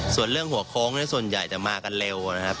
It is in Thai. ส่วนเรื่องหัวโค้งส่วนใหญ่จะมากันเร็วนะครับ